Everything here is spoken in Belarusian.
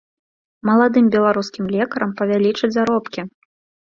Маладым беларускім лекарам павялічаць заробкі.